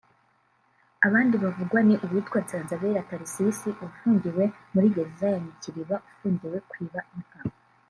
Abandi bavugwa ni uwitwa Nsanzabera Tharcisse ufungiwe muri gereza ya Nyakiriba ufungiwe kwiba inka